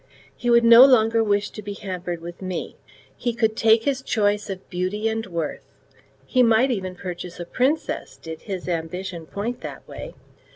He would no longer wish to be hampered with me. He could take his choice of beauty and worth; he might even purchase a princess did his ambition point that way.